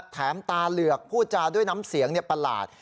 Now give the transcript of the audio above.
ตาเหลือกพูดจาด้วยน้ำเสียงประหลาด